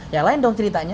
ya lain dong ceritanya